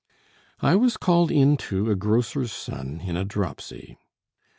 I was called in to a grocer's son in a dropsy.